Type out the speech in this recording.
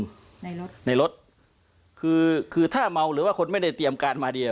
ในรถในรถคือคือถ้าเมาหรือว่าคนไม่ได้เตรียมการมาเดียว